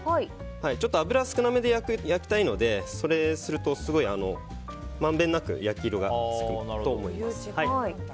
ちょっと油少な目で焼きたいのでそうすると、まんべんなく焼き色がつくと思います。